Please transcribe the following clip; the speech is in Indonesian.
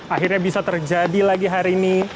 akhirnya bisa terjadi lagi hari ini